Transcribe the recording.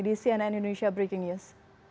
bersama kami di cnn indonesia breaking news